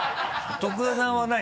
徳田さんは何？